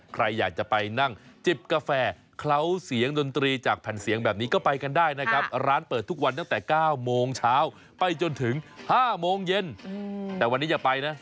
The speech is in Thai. ใครอยากจะไปนั่งจิบกาแฟเคล้าเสียงดนตรีจากแผ่นเสียงแบบนี้ก็ไปกันได้นะครับร้านเปิดทุกวันตั้งแต่๙โมงเช้าไปจนถึง๕โมงเย็นแต่วันนี้อย่าไปนะ